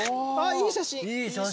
いい写真。